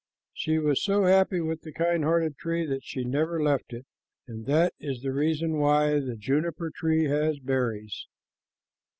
She was so happy with the kind hearted tree that she never left it, and that is the reason why the juniper tree has berries.